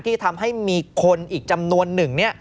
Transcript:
ที่ทำให้มีคนอีกจำนวนหนึ่ง